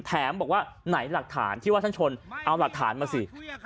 บอกว่าไหนหลักฐานที่ว่าท่านชนเอาหลักฐานมาสิ